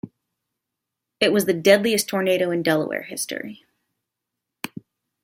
It was the deadliest tornado in Delaware history.